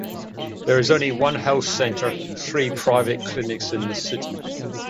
There is only one health center and three private clinics in the city.